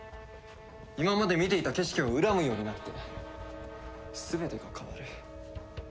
今まで見ていた景色を恨むようになって全てが変わる。